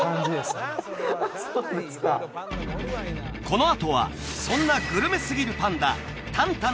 このあとはそんなグルメすぎるパンダ旦